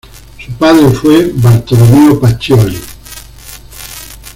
Su padre fue Bartolomeo Pacioli.